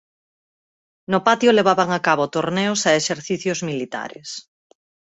No patio levaban a cabo torneos e exercicios militares.